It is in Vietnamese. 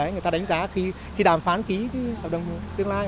người ta đánh giá khi đàm phán ký hợp đồng tương lai